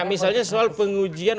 misalnya soal pengujian